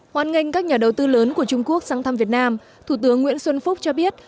hoan nghênh các nhà đầu tư lớn của trung quốc sang thăm việt nam thủ tướng nguyễn xuân phúc cho biết